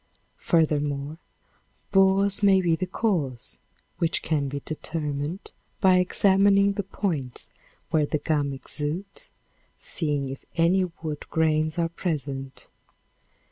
Furthermore, borers may be the cause, which can be determined by examining the points where the gum exudes, seeing if any wood grains are present.